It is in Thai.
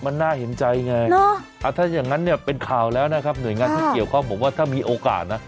มันน่าเห็นใจไงถ้าอย่างนั้นเนี่ยเป็นข่าวแล้วนะครับหน่วยงานที่เกี่ยวข้องบอกว่าถ้ามีโอกาสนะ